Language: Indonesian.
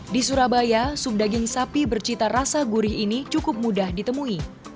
di surabaya sup daging sapi bercita rasa gurih ini cukup mudah ditemui